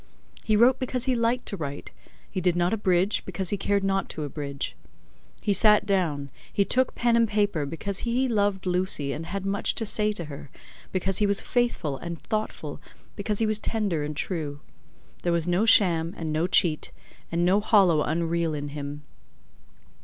He wrote because he liked to write; he did not abridge, because he cared not to abridge. He sat down, he took pen and paper, because he loved Lucy and had much to say to her; because he was faithful and thoughtful, because he was tender and true. There was no sham and no cheat, and no hollow unreal in him.